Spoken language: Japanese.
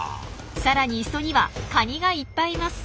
さらに磯にはカニがいっぱいいます。